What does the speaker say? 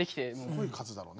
すごい数だろうね。